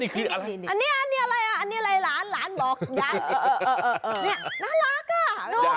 น่ารักอะ